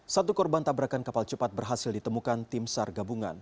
satu korban tabrakan kapal cepat berhasil ditemukan tim sar gabungan